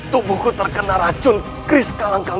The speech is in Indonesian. tubuhku terkena racun kris kelangkam